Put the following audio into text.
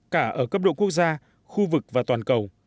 cả ở cấp độ quốc gia khu vực và toàn cầu